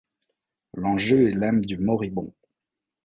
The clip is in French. L’enjeu est l’âme du moribond.